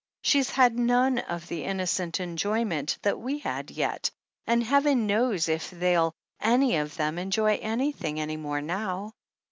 She's had none of the innocent enjoy ment that we had yet, and Heaven knows if they'll any of them enjoy anything any more now."